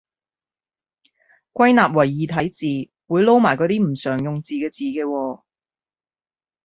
歸納為異體字，會撈埋嗰啲唔常用字嘅字嘅喎